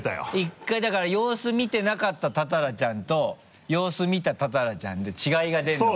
１回だから様子みてなかった多々良ちゃんと様子みた多々良ちゃんで違いが出るのか。